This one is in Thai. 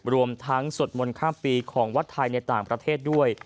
รวมทั้งให้ส่วนข้ามปีของวัฒน์ไทน์ในต่างประเทศด้วย